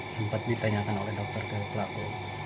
sempat ditanyakan oleh dokter ke pelaku